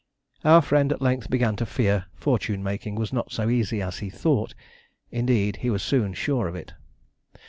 Our friend at length began to fear fortune making was not so easy as he thought indeed, he was soon sure of it.